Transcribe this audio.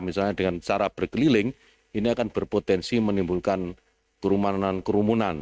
misalnya dengan cara berkeliling ini akan berpotensi menimbulkan kerumunan kerumunan